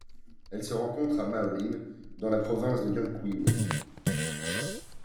Elle se rencontre à Maullín dans la province de Llanquihue.